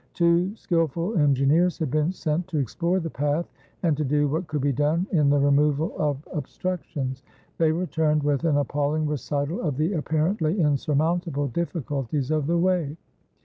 Two skillful engineers had been sent to explore the path, and to do what could be done in the removal of obstructions. They returned with an appall ing recital of the apparently insurmountable difficulties of the way.